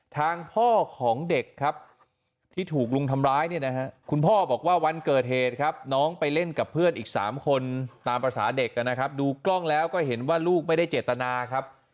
ทางพ่อของเด็กครับที่ถูกลุงทำร้ายเนี่ยนะฮะคุณพ่อบอกว่าวันเกิดเหตุครับน้องไปเล่นกับเพื่อนอีก๓คนตามภาษาเด็กนะครับดูกล้องแล้วก็เห็นว่าลูกไม่ได้เจตนาครับ